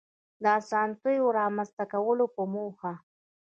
د آسانتیاوو رامنځته کولو په موخه